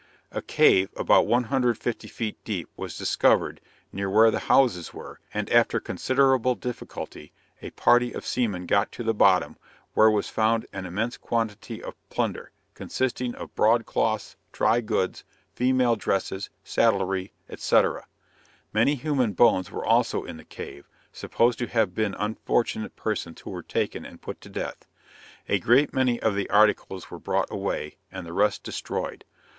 A cave, about 150 feet deep, was discovered, near where the houses were, and after considerable difficulty, a party of seamen got to the bottom, where was found an immense quantity of plunder, consisting of broadcloths, dry goods, female dresses, saddlery, &c. Many human bones were also in the cave, supposed to have been unfortunate persons who were taken and put to death. A great many of the articles were brought away, and the rest destroyed.